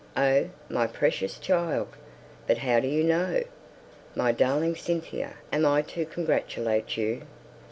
"Oh, my precious child! But how do you know? My darling Cynthia, am I to congratulate you?"